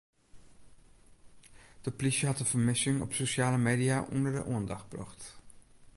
De plysje hat de fermissing op sosjale media ûnder de oandacht brocht.